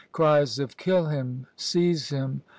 Cries of ' Kill him !'' Seize him